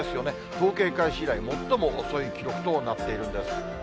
統計開始以来最も遅い記録となっているんです。